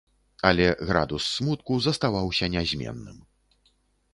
Але градус смутку заставаўся нязменным.